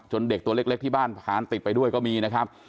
เด็กตัวเล็กที่บ้านผ่านติดไปด้วยก็มีนะครับ